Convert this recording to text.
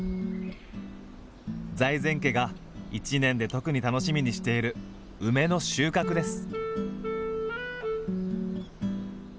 財前家が一年で特に楽しみにしている梅の収穫です。